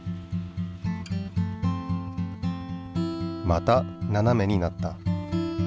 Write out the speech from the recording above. またななめになった。